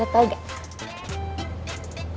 gak tau gak